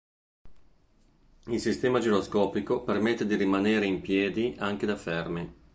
Il sistema giroscopico permette di rimanere in piedi anche da fermi.